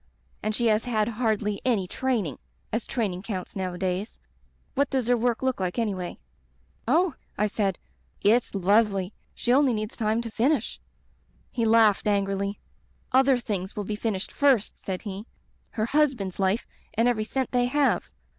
And she has had hardly any training — as training counts nowadays. )^at does her work look like anyway?' "'Oh,' I said, 'it's lovely! She only needs time to finish ' "He laughed angrily. 'Other things will be finished first,' said he. 'Her husband's life and every cent they have.